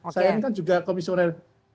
saya ini kan juga komisioner